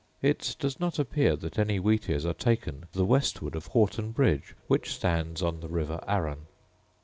It does not appear that any wheat ears are taken to the westward of Houghton bridge, which stands on the river Arun.